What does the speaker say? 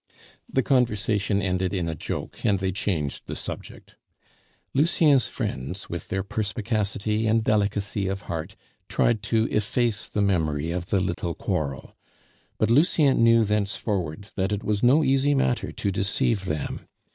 The conversation ended in a joke, and they changed the subject. Lucien's friends, with their perspicacity and delicacy of heart, tried to efface the memory of the little quarrel; but Lucien knew thenceforward that it was no easy matter to deceive them.